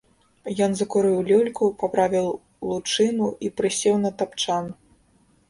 Ён закурыў люльку, паправіў лучыну і прысеў на тапчан.